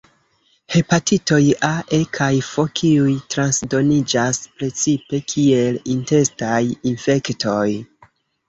Hepatitoj A, E kaj F kiuj transdoniĝas precipe kiel intestaj infektoj.